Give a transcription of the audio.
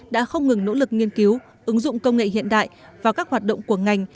đã không ngừng nỗ lực nghiên cứu ứng dụng công nghệ hiện đại vào các hoạt động của ngành